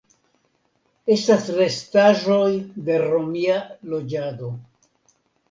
Estas restaĵoj de romia loĝado.